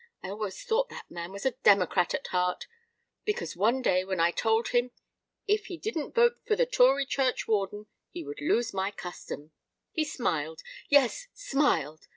I always thought that man was a democrat at heart; because one day when I told him if he didn't vote for the Tory Churchwarden he would lose my custom, he smiled—yes, smiled!